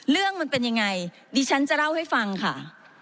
เรื่องมันเป็นยังไงดิฉันจะเล่าให้ฟังค่ะ